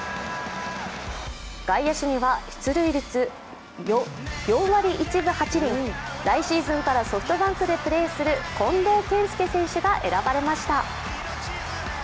外野手には出塁率４割１分８厘来シーズンからソフトバンクでプレーする近藤健介選手が選ばれました。